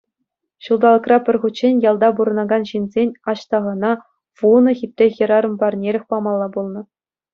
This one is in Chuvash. Ҫулталӑкра пӗр хутчен ялта пурӑнакан ҫынсен Аҫтахана вунӑ хитре хӗрарӑм парнелӗх памалла пулнӑ.